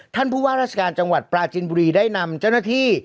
ท่านผู้ว่าราชการจังหวัดปราจินบุรีได้นำเจ้าหน้าที่